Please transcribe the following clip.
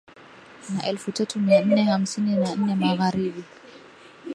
na elfu tatu mia nne hamsini na nne Magharibi